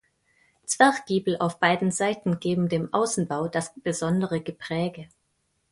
Zwerchgiebel auf beiden Seiten geben dem Außenbau das besondere Gepräge.